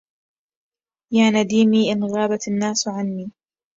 يا نديمي إن غابت الناس عني